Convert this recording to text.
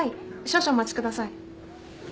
少々お待ちください。